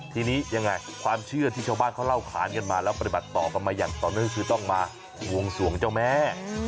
ทีนี้ยังไงความเชื่อที่ชาวบ้านเขาเล่าขานกันมาแล้วปฏิบัติต่อกันมาอย่างต่อเนื่องก็คือต้องมาบวงสวงเจ้าแม่